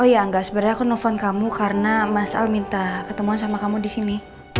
oh ya enggak sebenarnya aku nelfon kamu karena mas al minta ketemuan sama kamu di sini